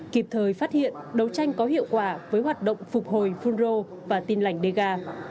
kịp thời phát hiện đấu tranh có hiệu quả với hoạt động phục hồi phunro và tin lạch đề ga